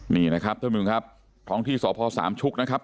นี่นะครับท่วนวิ่งครับท้องที่สอบภาวสามชุกนะครับ